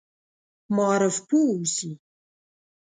معارف پوه اوسي.